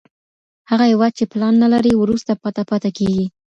هغه هېواد چي پلان نلري، وروسته پاته پاته کېږي.